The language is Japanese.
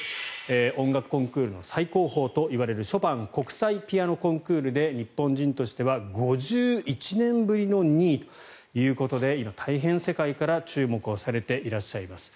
音楽コンクールの最高峰といわれるショパン国際ピアノコンクールで日本人としては５１年ぶりの２位ということで今、大変、世界から注目されていらっしゃいます。